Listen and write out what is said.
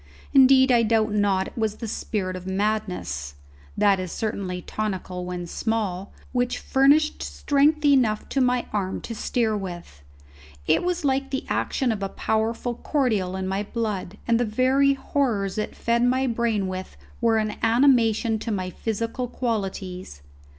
Indeed I doubt not it was the spirit of madness that is certainly tonical when small which furnished strength enough to my arm to steer with. It was like the action of a powerful cordial in my blood, and the very horrors it fed my brain with were an animation to my physical qualities.